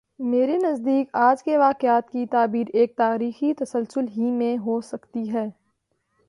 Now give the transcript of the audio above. میرے نزدیک آج کے واقعات کی تعبیر ایک تاریخی تسلسل ہی میں ہو سکتی ہے۔